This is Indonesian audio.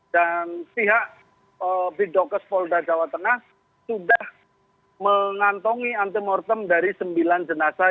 dan pihak bidokus polda jawa tengah sudah mengantongi antemortem dari sembilan jenazah